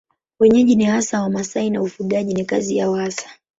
Wenyeji ni hasa Wamasai na ufugaji ni kazi yao hasa.